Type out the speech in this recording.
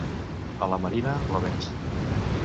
A la Marina, blavets.